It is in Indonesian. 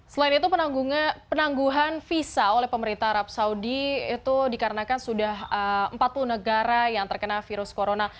selain itu penangguhan visa oleh pemerintah arab saudi itu dikarenakan sudah empat puluh negara yang terkena virus corona